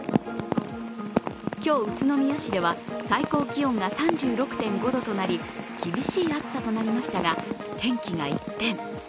今日、宇都宮市では最高気温が３６．５度となり、厳しい暑さとなりましたが、天気が一転。